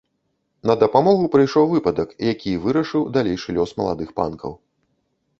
На дапамогу прыйшоў выпадак, які і вырашыў далейшы лёс маладых панкаў.